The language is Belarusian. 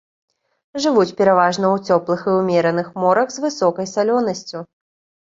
Жывуць пераважна ў цёплых і ўмераных морах з высокай салёнасцю.